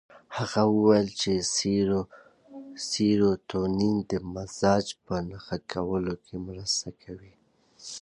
هغه وویل چې سیروتونین د مزاج په ښه کولو کې مرسته کوي.